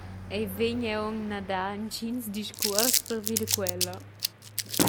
Ei vegn aunc a dar entgins discuors pervia da quella.